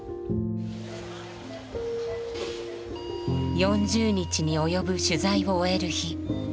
４０日に及ぶ取材を終える日。